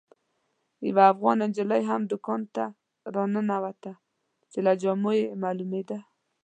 یوه افغانه نجلۍ هم دوکان ته راننوته چې له جامو یې معلومېده.